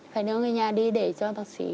phải đưa người nhà đi để cho bác sĩ